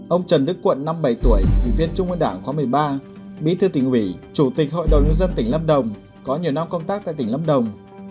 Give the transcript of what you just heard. ông trần đức quận năm bảy tuổi ủy viên trung ương đảng khóa một mươi ba bí thư tỉnh ủy chủ tịch hội đồng nhân dân tỉnh lâm đồng có nhiều năm công tác tại tỉnh lâm đồng